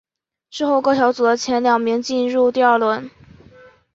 之后各小组的前两名进入第二轮。